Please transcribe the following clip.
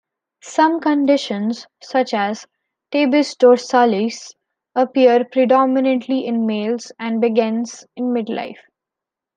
Some conditions, such as Tabes dorsalis appear predominantly in males and begins in mid-life.